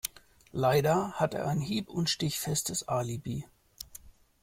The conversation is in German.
Leider hat er ein hieb- und stichfestes Alibi.